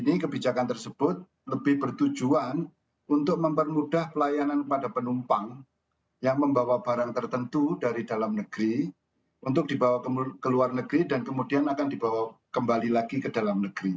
ini kebijakan tersebut lebih bertujuan untuk mempermudah pelayanan kepada penumpang yang membawa barang tertentu dari dalam negeri untuk dibawa ke luar negeri dan kemudian akan dibawa kembali lagi ke dalam negeri